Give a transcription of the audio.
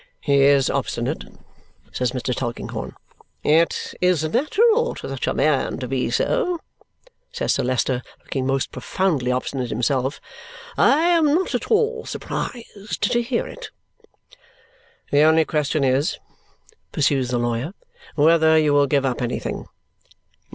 "He is obstinate," says Mr. Tulkinghorn. "It is natural to such a man to be so," says Sir Leicester, looking most profoundly obstinate himself. "I am not at all surprised to hear it." "The only question is," pursues the lawyer, "whether you will give up anything."